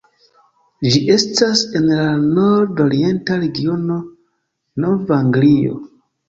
Ĝi estas en la nord-orienta regiono Nov-Anglio.